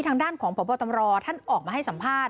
ทางด้านของปฐตำรวจออกมาให้สัมภาษณ์